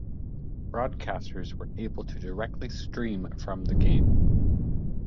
Broadcasters were able to directly stream from the game.